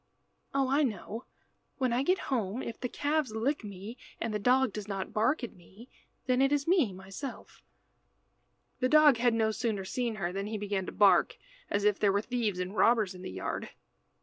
Oh, I know. When I get home, if the calves lick me, and the dog does not bark at me, then it is me myself." The dog had no sooner seen her than he began to bark, as if there were thieves and robbers in the yard.